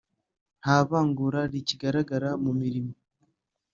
nta vangura rikigaragara mu mirimo